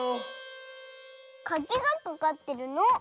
カギがかかってるの。